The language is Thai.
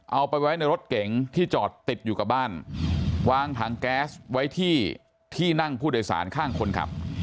เอาไปไว้ในรถเก๋งที่จอดติดอยู่กับบ้านวางถังแก๊สไว้ที่ที่นั่งผู้โดยสารข้างคนขับ